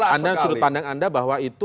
anda sudut pandang anda bahwa itu